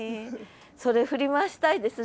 それ振り回したいですね。